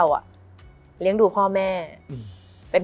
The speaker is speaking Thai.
มันทำให้ชีวิตผู้มันไปไม่รอด